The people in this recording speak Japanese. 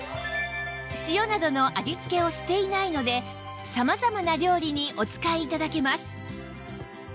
塩などの味付けをしていないので様々な料理にお使い頂けます